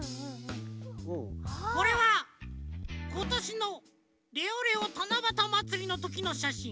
これはことしのレオレオたなばたまつりのときのしゃしん。